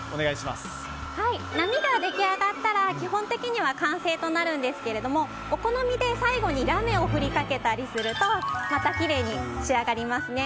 波が出来上がったら基本的には完成となるんですけれどもお好みで最後にラメを振りかけたりするとまたきれいに仕上がりますね。